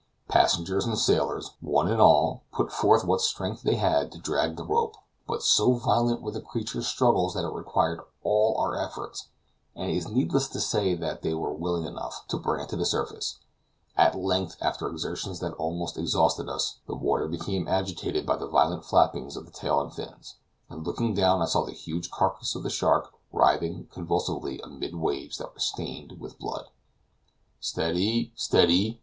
Passengers and sailors, one and all, put forth what strength they had to drag the rope, but so violent were the creature's struggles that it required all our efforts (and it is needless to say they were willing enough) to bring it to the surface. At length, after exertions that almost exhausted us, the water became agitated by the violent flappings of the tail and fins; and looking down I saw the huge carcass of the shark writhing convulsively amid waves that were stained with blood. "Steady! steady!"